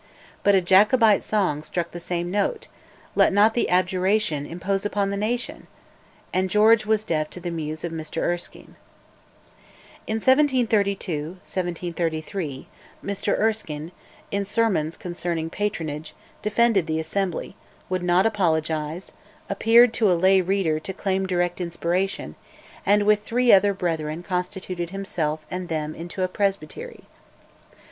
But a Jacobite song struck the same note "Let not the Abjuration Impose upon the nation!" and George was deaf to the muse of Mr Erskine. In 1732, 1733, Mr Erskine, in sermons concerning patronage, offended the Assembly; would not apologise, appeared (to a lay reader) to claim direct inspiration, and with three other brethren constituted himself and them into a Presbytery.